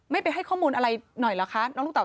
ไม่ไปให้ข้อมูลอะไรหน่อยหรือคะ